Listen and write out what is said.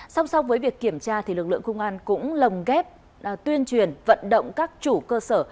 song song với việc kiểm tra lực lượng công an cũng lồng ghép tuyên truyền vận động các chủ cơ sở